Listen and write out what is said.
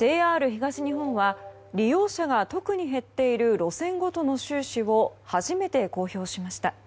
ＪＲ東日本は利用者が特に減っている路線ごとの収支を初めて公表しました。